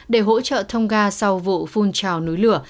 để hỗ trợ tôn nga sau vụ phun trào núi lửa